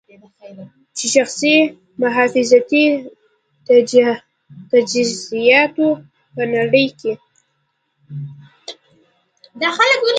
چې شخصي محافظتي تجهیزاتو ته په نړۍ کې